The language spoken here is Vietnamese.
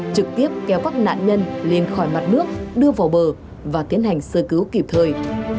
trực tiếp kéo các nạn nhân lên khỏi mặt nước đưa vào bờ và tiến hành sơ cứu kịp thời